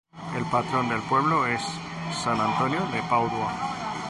El patrón del pueblo es San Antonio de Padua.